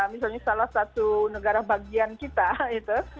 misalnya salah satu negara bagian kita itu